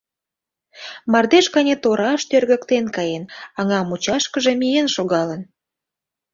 Мардеж гане тораш тӧргыктен каен, аҥа мучашкыже миен шогалын.